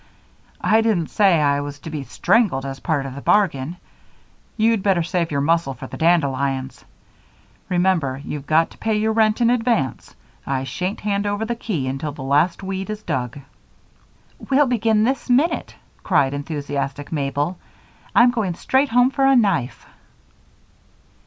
"I didn't say I was to be strangled as part of the bargain. You'd better save your muscle for the dandelions. Remember, you've got to pay your rent in advance. I shan't hand over the key until the last weed is dug." "We'll begin this minute!" cried enthusiastic Mabel. "I'm going straight home for a knife."